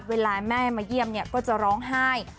เวลาแม่มาเยี่ยมก็จะร้องไห้